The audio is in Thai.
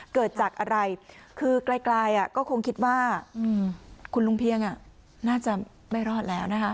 เกิดจากอะไรคือไกลก็คงคิดว่าคุณลุงเพียงน่าจะไม่รอดแล้วนะคะ